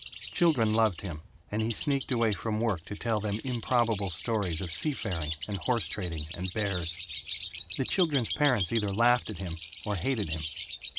Children loved him, and he sneaked away from work to tell them improbable stories of sea faring and horse trading and bears. The children's parents either laughed at him or hated him.